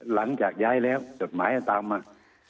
หลังจะย้ายจบหมายตามมา